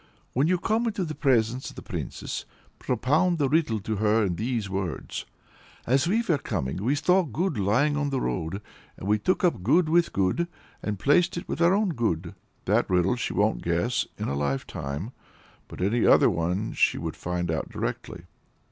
When you come into the presence of the Princess, propound a riddle to her in these words: 'As we were coming along, we saw Good lying on the road, and we took up the Good with Good, and placed it in our own Good!' That riddle she won't guess in a lifetime; but any other one she would find out directly.